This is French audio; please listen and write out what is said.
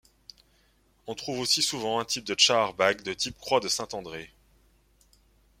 On trouve aussi souvent un type de tchahar-bagh de type croix de saint André.